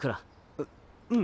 うっうん。